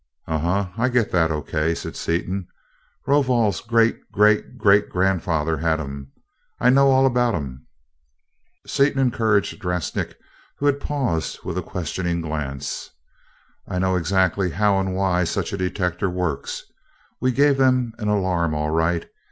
"Uh huh, I get that O. K.," said Seaton. "Rovol's great great great grandfather had 'em I know all about 'em," Seaton encouraged Drasnik, who had paused, with a questioning glance. "I know exactly how and why such a detector works. We gave 'em an alarm, all right.